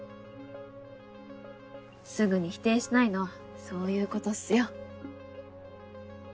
すぐに否定しないのはそういうことっすよ。